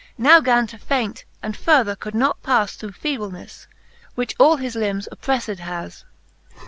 Now gan to faint, and further could not pas Through feeblenefle, which all his limbes opprefTed has.